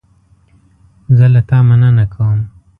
زه له تا مننه کوم.